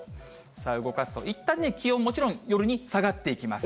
動かすと、いったん、気温、もちろん夜に下がっていきます。